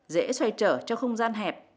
dễ xoay trở trong không gian hẹp